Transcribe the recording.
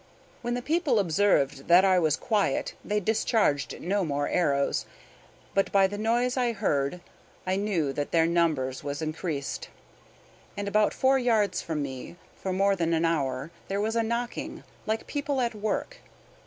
When the people observed that I was quiet they discharged no more arrows, but by the noise I heard I knew that their number was increased; and about four yards from me, for more than an hour, there was a knocking, like people at work.